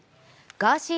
ガーシー